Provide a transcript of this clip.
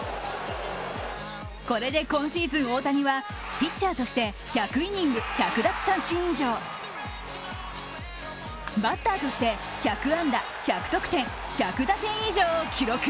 これで今シーズン、大谷はピッチャーとして１００イニング、１００奪三振以上バッターとして、１００安打１００得点１００打点以上を記録。